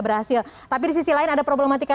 berhasil tapi di sisi lain ada problematika